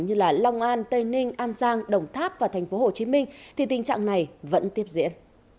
như long an tây ninh an giang đồng tháp và tp hcm thì tình trạng này vẫn tiếp diễn